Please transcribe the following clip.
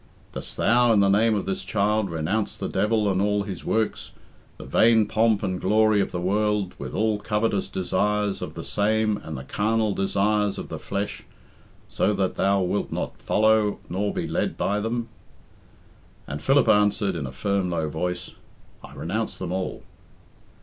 "Dost thou, in the name of this child, renounce the devil and all his works, the vain pomp and glory of the world, with all covetous desires of 'the same, and the carnal desires of the flesh, so that thou wilt not follow nor be led by them?" And Philip answered, in a firm, low voice, "I renounce them all."